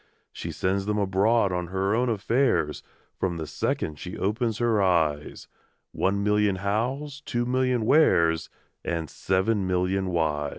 She sends 'em abroad on her own affairs, From the second she opens her eyes One million Hows, two million Wheres, And seven million Whys!